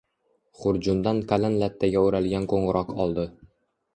Xurjundan qalin lattaga o‘ralgan qo‘ng‘iroq oldi